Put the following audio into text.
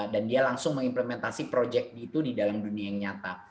dan dia langsung mengimplementasi project itu di dalam dunia yang nyata